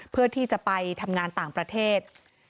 เพื่อที่จะไปทำงานต่างประเทศ